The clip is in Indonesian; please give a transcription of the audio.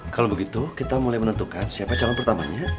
kalau begitu kita mulai menentukan siapa calon pertamanya